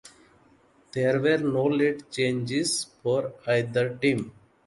There were no late changes for either team.